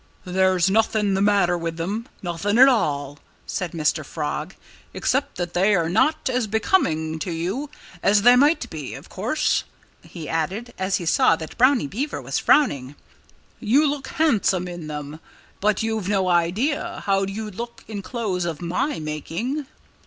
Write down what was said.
"There's nothing the matter with them nothing at all," said Mr. Frog "except that they are not as becoming to you as they might be. Of course," he added, as he saw that Brownie Beaver was frowning, "you look handsome in them. But you've no idea how you'd look in clothes of my making."